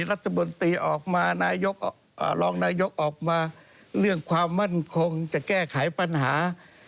รัฐมนตรีออกมานายกรองนายกออกมาเรื่องความมั่นคงจะแก้ไขปัญหา